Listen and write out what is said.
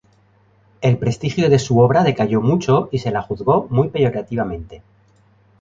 El prestigio de su obra decayó mucho y se la juzgó muy peyorativamente.